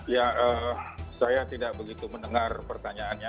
ya saya tidak begitu mendengar pertanyaannya